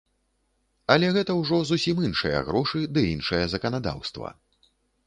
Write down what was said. Але гэта ўжо зусім іншыя грошы ды іншае заканадаўства.